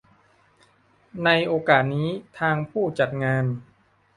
ในโอกาสนี้ ทางผู้จัดงาน